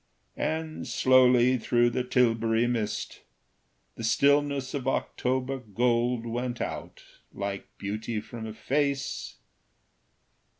And slowly, through the Tilbury mist, The stillness of October gold Went out like beauty from a face.